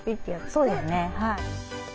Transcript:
そうですねはい。